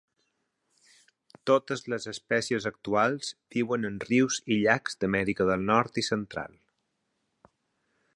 Totes les espècies actuals viuen en rius i llacs d'Amèrica del Nord i Central.